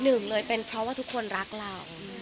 หนึ่งเลยเป็นเพราะว่าทุกคนรักเรา